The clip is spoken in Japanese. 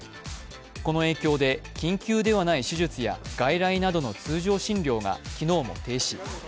この影響で緊急ではない手術や外来などの通常診療が昨日も停止。